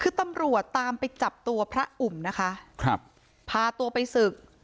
คือตำรวจตามไปจับตัวพระอุ่มนะคะครับพาตัวไปศึก